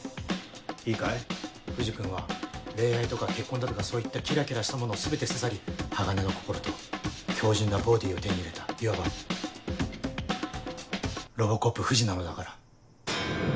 いいかい藤君は恋愛とか結婚だとかそういったキラキラしたものを全て捨て去り鋼の心と強靱なボディーを手に入れたいわばロボコップ藤なのだから。